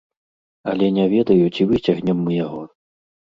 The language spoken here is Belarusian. Але не ведаю, ці выцягнем мы яго.